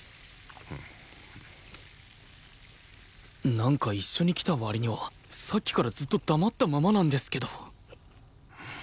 なんか一緒に来た割にはさっきからずっと黙ったままなんですけど